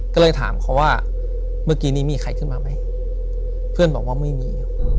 ก็เลยถามเขาว่าเมื่อกี้นี้มีใครขึ้นมาไหมเพื่อนบอกว่าไม่มี